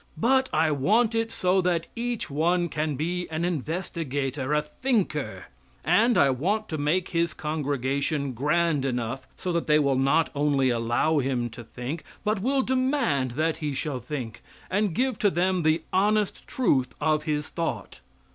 But I want it so that each one can be an investigator, a thinker; and I want to make his congregation grand enough so that they will not only allow him to think, but will demand that he shall think, and give to them the honest truth of his thought.